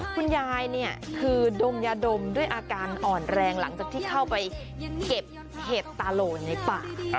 คุณยายเนี่ยคือดมยาดมด้วยอาการอ่อนแรงหลังจากที่เข้าไปเก็บเห็ดตาโหลในป่า